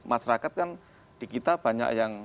masyarakat kan di kita banyak yang